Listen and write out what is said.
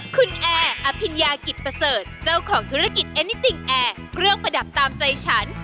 คุณแอร์อภิญญากิจประเสริฐเจ้าของธุรกิจเอนิติงแอร์เครื่องประดับตามใจฉัน